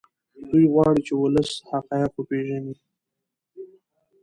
دی غواړي چې ولس حقایق وپیژني.